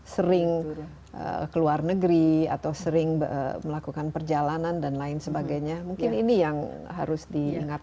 sering ke luar negeri atau sering melakukan perjalanan dan lain sebagainya mungkin ini yang harus diingatkan